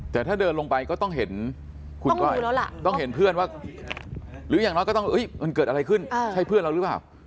แต่ถ้าเดินลงไปก็ต้องเห็นคุณก้อยต้องเห็นเพื่อนว่าหรืออย่างน้อยก็ต้องมันเกิดอะไรขึ้นใช่เพื่อนเราหรือเปล่า